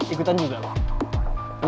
ikutan juga lo